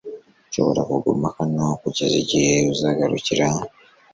Nshobora kuguma hano kugeza igihe uzagarukira .